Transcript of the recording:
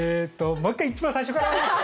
もう１回、一番最初から。